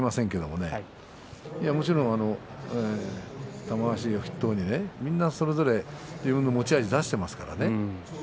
もちろん玉鷲を筆頭にみんなそれぞれいろんな持ち味を出していますからね。